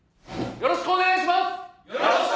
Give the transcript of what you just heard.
よろしくお願いします！